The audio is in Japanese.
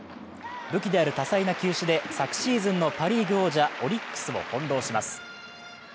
武器である多彩な球種で昨シーズンのパ・リーグ王者、オリックスを翻弄します。